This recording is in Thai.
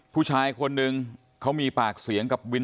ผู้ชายคนนึงเขามีปากเสียงกับวิน